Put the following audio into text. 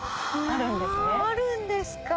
あるんですか！